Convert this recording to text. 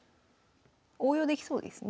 応用できそうですね。